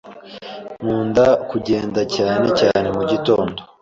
Nkunda kugenda, cyane cyane mugitondo.